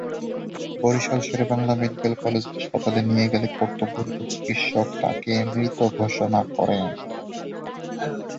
Barishal Sher e Bangla medical college হাসপাতালে নিয়ে গেলে কর্তব্যরত চিকিৎসক তাকে মৃত ঘোষণা করেন।